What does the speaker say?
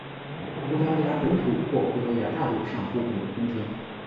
葡萄牙本土或葡萄牙大陆上部分的通称。